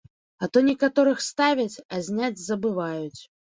А то некаторых ставяць, а зняць забываюць.